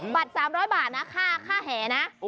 บัตร๓๐๐บาทนะค่าแหนะ